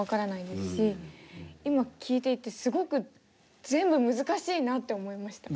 今聞いていてすごく全部難しいなって思いました。